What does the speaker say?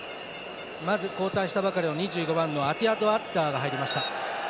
交代したばかりの２５番のアティアトアッラーが入りました。